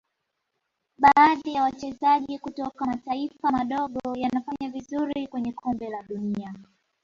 baadhi ya wachezaji kutoka mataifa madogo wanafanya vizuri kwenye Kombe la dunia